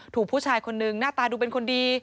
ถูกผู้ชายคนนึงหน้าตาดูเป็นคนดี